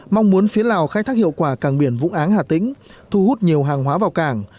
mong muốn phía lào khai thác hiệu quả cảng biển vũng áng hà tĩnh thu hút nhiều hàng hóa vào cảng